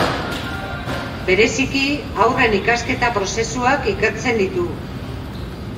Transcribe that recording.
Bereziki, haurren ikasketa-prozesuak ikertzen ditu.